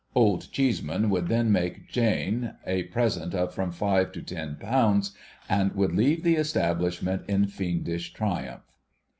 Old Cheeseman would then make J'ine a present of from five to ten pounds, and would leave the establishment in fiendish triumph.